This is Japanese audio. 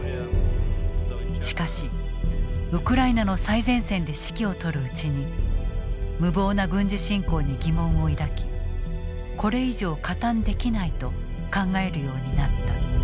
しかしウクライナの最前線で指揮を執るうちに無謀な軍事侵攻に疑問を抱きこれ以上加担できないと考えるようになった。